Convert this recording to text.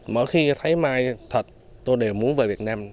mỗi khi thấy mai thật tôi đều muốn về việt nam